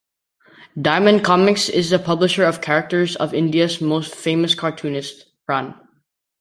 Diamond Comics is the publisher of characters of India's famous cartoonist; Pran.